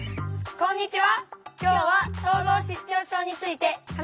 こんにちは。